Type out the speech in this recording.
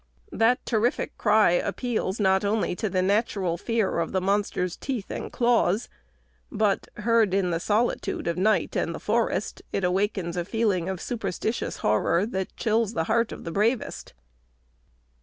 That terrific cry appeals not only to the natural fear of the monster's teeth and claws, but, heard in the solitude of night and the forest, it awakens a feeling of superstitious horror, that chills the heart of the bravest.